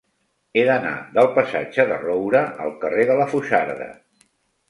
He d'anar del passatge de Roura al carrer de la Foixarda.